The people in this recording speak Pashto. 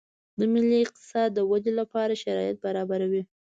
د ملي اقتصاد د ودې لپاره شرایط برابروي